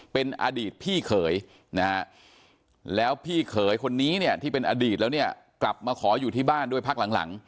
เป็นอดีตพี่เขยนะฮะแล้วพี่เขยคนนี้เนี่ยที่เป็นอดีตแล้วเนี่ยกลับมาขออยู่ที่บ้านด้วยพักหลัง